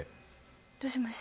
どうしました？